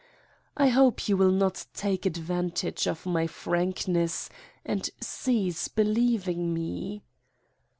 I hope you will not take advantage of my frankness and cease believing me.